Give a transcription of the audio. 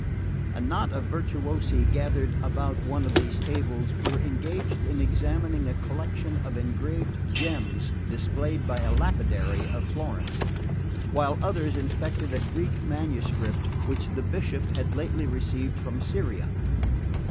A knot of virtuosi gathered about one of these tables were engaged in examining a collection of engraved gems displayed by a lapidary of Florence; while others inspected a Greek manuscript which the Bishop had lately received from Syria.